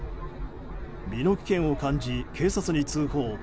身の危険を感じ、警察に通報。